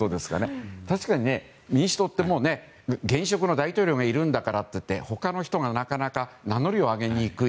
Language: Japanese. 確かに民主党って現職の大統領がいるんだからと他の人がなかなか名乗りを上げにくい。